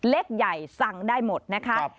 เล็กใหญ่สั่งได้หมดนะคะ